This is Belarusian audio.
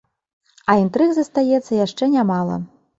А інтрыг застаецца яшчэ нямала.